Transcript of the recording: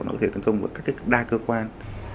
nó có thể tấn công với các cái đa cơ quan